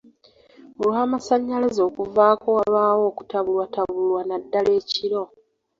Olw'amasanyalzae okuvaako wabaawo okutabulwatabulwa naddala ekiro.